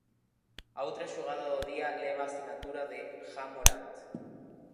A outra xogada do día leva a sinatura de Ja Morant.